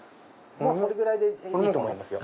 それぐらいでいいと思いますよ。